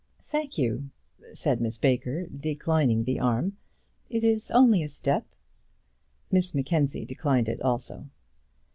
"Thank you," said Miss Baker, declining the arm; "it is only a step." Miss Mackenzie declined it also.